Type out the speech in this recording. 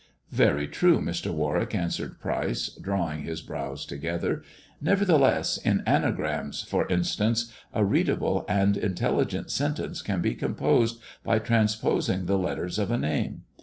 " Very true, Mr. Warwick," answered Pryce, drawing his brows together. "Nevertheless in anagrams, for in stance, a readable and intelligent sentence can be composed by transposing the letters of a name.